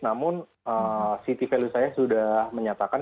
namun city value saya sudah menyatakan